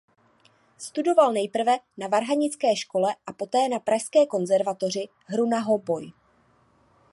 Studoval nejprve na Varhanické škole a poté na Pražské konzervatoři hru na hoboj.